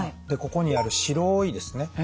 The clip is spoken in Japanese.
でここにある白いですね